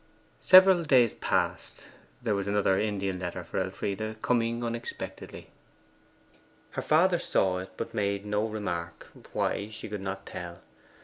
Several days passed. There was another Indian letter for Elfride. Coming unexpectedly, her father saw it, but made no remark why, she could not tell.